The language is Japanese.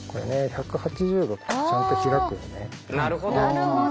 なるほど。